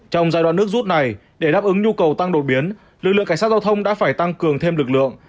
trong giai đoạn nước rút này để đáp ứng nhu cầu tăng đột biến lực lượng cảnh sát giao thông đã phải tăng cường thêm lực lượng